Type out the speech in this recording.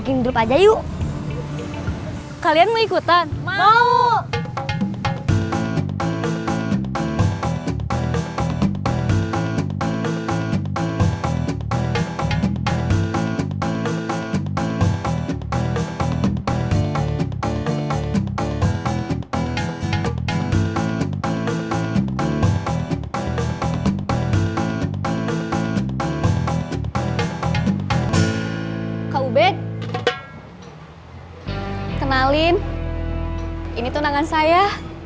kenalin ini tunangan saya